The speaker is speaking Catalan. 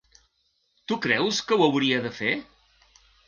Tu creus que ho hauria de fer?